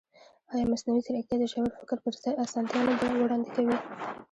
ایا مصنوعي ځیرکتیا د ژور فکر پر ځای اسانتیا نه وړاندې کوي؟